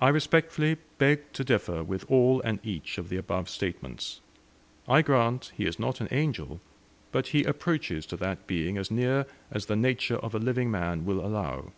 I respectfully beg to differ with all and each of the above statements. I grant he is not an angel, but he approaches to that being as near as the nature of a living man will allow.